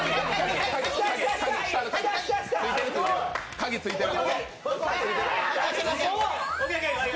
鍵ついてる。